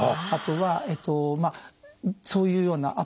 あとはそういうような。